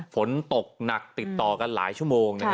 ฝนตกหนักติดต่อกันหลายชั่วโมง